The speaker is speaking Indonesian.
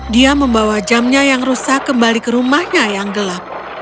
dia membawa jamnya yang rusak kembali ke rumahnya yang gelap